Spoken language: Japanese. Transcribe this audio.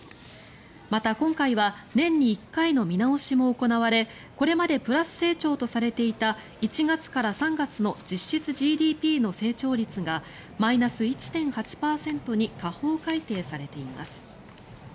また、今回は年に１回の見直しも行われこれまでプラス成長とされていた１月から３月の実質ＧＤＰの成長率がマイナス１．８％に下方改定されています。